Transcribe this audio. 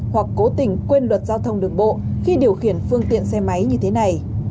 hoặc cố tình quên luật giao thông đường bộ khi điều khiển phương tiện xe máy như thế này